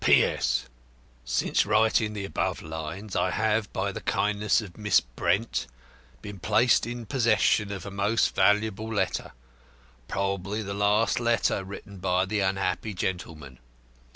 "P. S. Since writing the above lines, I have, by the kindness of Miss Brent, been placed in possession of a most valuable letter, probably the last letter written by the unhappy gentleman.